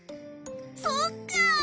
そっか！